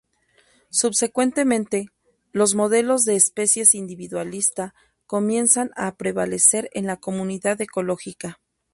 Subsecuentemente, los modelos de especies individualista comienzan a prevalecer en la comunidad ecológica.